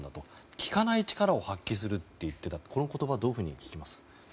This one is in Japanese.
聞かない力を発揮するって言ってたというこの言葉、どういうふうに聞きますか。